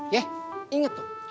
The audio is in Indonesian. ya inget tuh